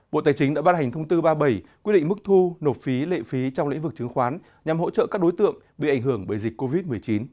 bộ tài chính đã ban hành thông tư ba mươi bảy quy định mức thu nộp phí lệ phí trong lĩnh vực chứng khoán nhằm hỗ trợ các đối tượng bị ảnh hưởng bởi dịch covid một mươi chín